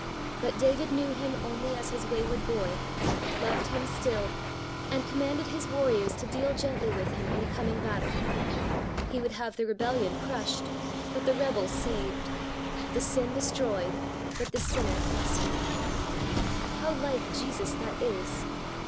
But David knew him only as his wayward boy, loved him still, and commanded his warriors to deal gently with him in the com DEAL GENTLY. 149 ing battle. He would have the rebellion crushed, but the rebel saved ; the sin de stroyed, but the sinner rescued. How like Jesus that is!